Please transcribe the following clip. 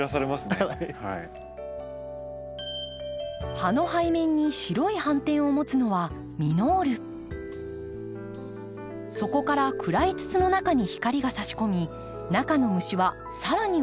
葉の背面に白い斑点を持つのはそこから暗い筒の中に光がさし込み中の虫は更に奥に入ってしまいます。